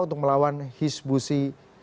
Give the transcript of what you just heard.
untuk melawan hizbusi